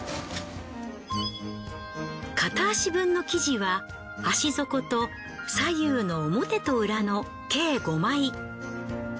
片足分の生地は足底と左右の表と裏の計５枚。